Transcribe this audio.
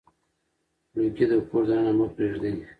لوګي د کور دننه مه پرېږدئ.